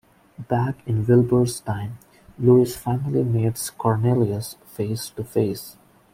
Back in Wilbur's time, Lewis finally meets Cornelius face to face.